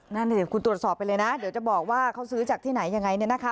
นั่นสิคุณตรวจสอบไปเลยนะเดี๋ยวจะบอกว่าเขาซื้อจากที่ไหนยังไงเนี่ยนะคะ